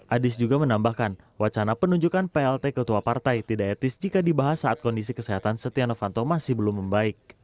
adis juga menambahkan wacana penunjukan plt ketua partai tidak etis jika dibahas saat kondisi kesehatan setia novanto masih belum membaik